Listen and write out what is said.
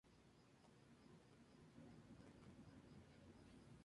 Pero los problemas aparecieron, una gran creciente destruye las esclusas aun sin terminar.